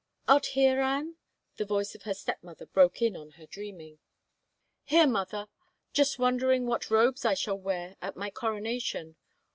" Art here, Anne ?" the voice of her stepmother broke in on her dreaming. " Here, mother ... just wondering what robes I shall wear at my coronation.